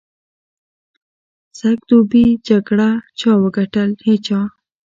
سږ دوبي جګړه چا وګټل؟ هېچا.